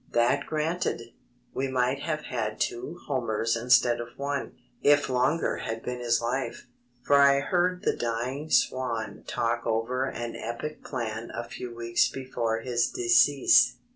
That granted, we might have had two Homers instead of one, if longer had been his life; for I heard the dying swan talk over an epic plan a few weeks before his decease.